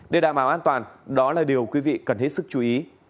để đảm bảo an toàn đó là điều quý vị cần hết sức chú ý